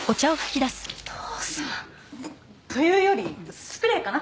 お父さんというよりスプレーかな？